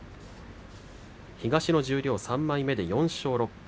東の十両３枚目で４勝６敗。